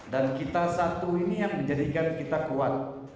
dan kita satu ini yang menjadikan kita kuat